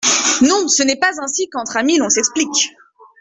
Non, ce n’est pas ainsi qu’entre amis l’on s’explique !